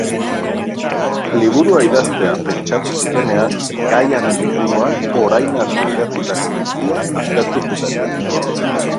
Liburua idaztea pentsatu zutenean, gaiaren inguruan orain arte idatzitako guztia aztertu zuten.